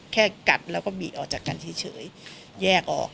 กัดแล้วก็บีดออกจากกันเฉยแยกออก